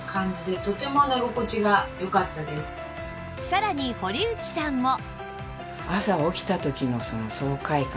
さらに堀内さんも